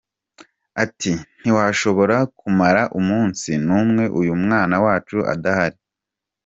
Ati “Ntitwashobora kumara umunsi n’umwe uyu mwana wacu adahari.